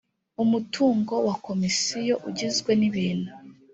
umutungo wa komisiyo ugizwe n ibintu